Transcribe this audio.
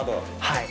はい。